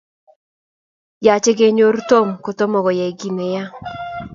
yache kenyoru tom kotomo koyai kei ne yaa